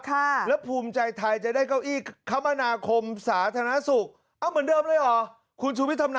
แล้วภูมิใจไทยจะได้เก้าอี้คำอาณาคมสาธารณสุข